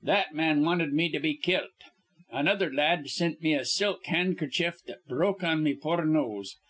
That man wanted me to be kilt. Another la ad sint me a silk handkerchief that broke on me poor nose.